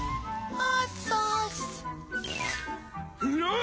お！